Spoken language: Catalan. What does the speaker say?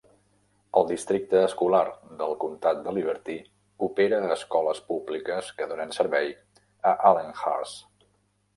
El districte escolar del comtat de Liberty opera escoles públiques que donen servei a Allenhurst.